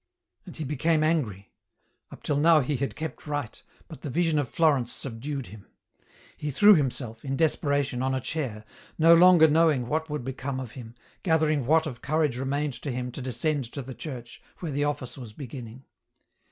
And he became angry. Up till now he had kept right, but the vision of Florence subdued him. He threw himself, in desperation, on a chair, no longer knowing what would become of him, gathering what of courage remained to him to descend to the church, where the Office was beginning.